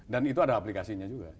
dan itu ada aplikasinya juga